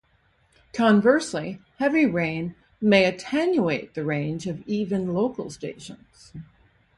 Conversely, heavy rain may attenuate the range of even local stations.